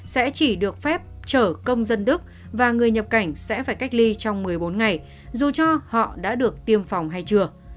sẽ chỉ được phép chở công dân đức và người nhập cảnh sẽ phải cách ly trong một mươi bốn ngày dù cho họ đã được tiêm phòng hay chưa